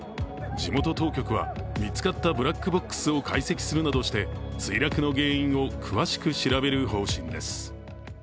地元当局は見つかったブラックボックスを解析するなどして墜落の原因を詳しく調べる方針です。